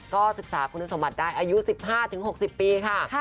ก็ศึกษาคุณสมบัติได้อายุ๑๕๖๐ปีค่ะ